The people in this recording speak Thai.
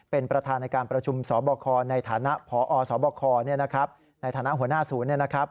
เป็นประธานในการประชุมสบคในฐานะพอสบคในฐานะหัวหน้าศูนย์